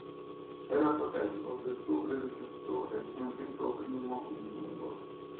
Era fratello del suo predecessore Enrico I il Lungo.